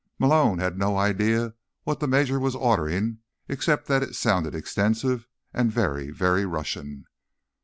Malone had no idea what the major was ordering, except that it sounded extensive and very, very Russian.